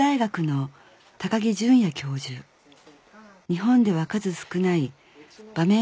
日本では数少ない場面